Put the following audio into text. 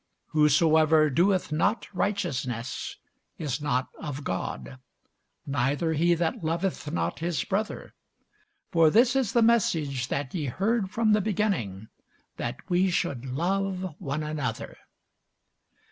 Whosoever doeth not righteousness is not of God, neither he that loveth not his brother. For this is the message that ye heard from the beginning, that we should love one another.